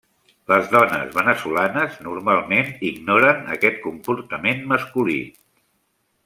Les dones veneçolanes normalment ignoren aquest comportament masculí.